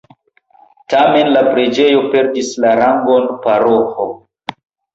Tamen la preĝejo perdis la rangon paroĥo.